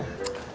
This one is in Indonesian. baik gimana doi